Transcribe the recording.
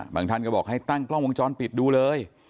ท่านก็บอกให้ตั้งกล้องวงจรปิดดูเลย